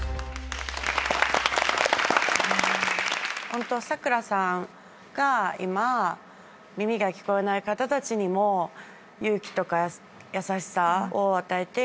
ホントさくらさんが今耳が聞こえない方たちにも勇気とか優しさを与えて。